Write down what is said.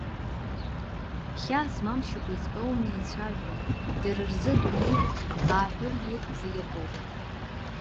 Хьаа змам шьоук еидтәауаны еицәажәауеит, дара ры адунеи ааҳәыргьы зегь акоуп…